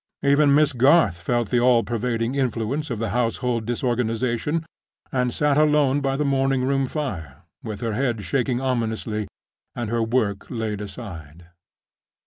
Even Miss Garth felt the all pervading influence of the household disorganization, and sat alone by the morning room fire, with her head shaking ominously, and her work laid aside.